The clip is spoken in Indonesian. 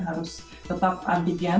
harus tetap ambil kesehatan